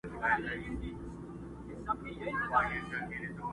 شیخ ته ورکوي شراب کشیش ته د زمزمو جام،